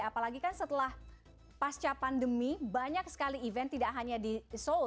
apalagi kan setelah pasca pandemi banyak sekali event tidak hanya di seoul